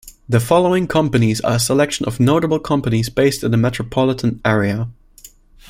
The following companies are a selection of notable companies based in the metropolitan area.